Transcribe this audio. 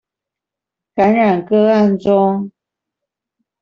感染個案中